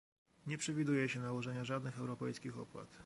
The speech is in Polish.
Nie przewiduje się nałożenia żadnych europejskich opłat